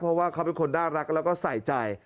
เพราะว่าเขาเป็นคนน่ารักแล้วก็ใส่ใจ